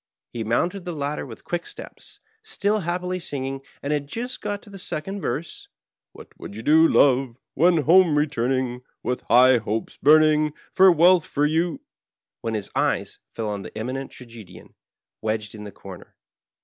He mounted the ladder with quick steps, still happily singing, and had just got to the second verse — What would you do, love, when home returning, With hopes high burning, with wealth for you — when his eye fell on the Eminent Tragedian wedged in the comer.